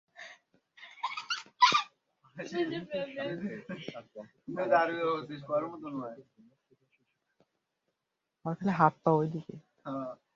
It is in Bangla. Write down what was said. ইমতিয়ার শামীম পেয়েছেন তাঁর গল্পসংকলন শীতের জ্যোত্স্নাজ্বলা বৃষ্টিরাতের জন্য সৃজনশীল শাখায়।